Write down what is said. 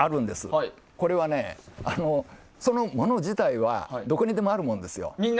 これは、そのもの自体はどこにでもあるものですよ。